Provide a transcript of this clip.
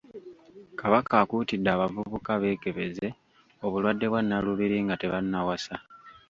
Kabaka akuutidde abavubuka beekebeze obulwadde bwa Nalubiri nga tebannawasa.